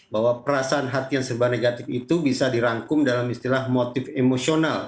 bahwa perasaan hati yang serba negatif itu bisa dirangkum dalam istilah motif emosional